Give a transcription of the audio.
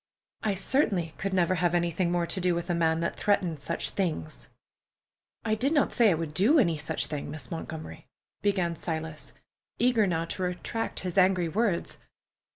I certainly could never have anything more to do with a man that threatened such things." "I did not say I would do any such thing, Miss Montgomery," began Silas, eager now to retract his angry words.